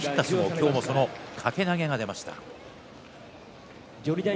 今日もその掛け投げが出ました。